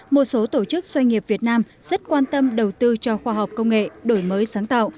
một số tổ chức doanh nghiệp việt nam rất quan tâm đầu tư cho khoa học công nghệ đổi mới sáng tạo